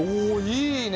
いいね！